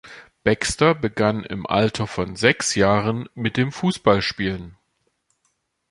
Baxter begann im Alter von sechs Jahren mit dem Fußballspielen.